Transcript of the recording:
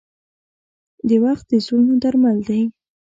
• وخت د زړونو درمل دی.